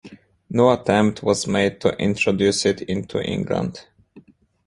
No attempt was made to introduce it into England.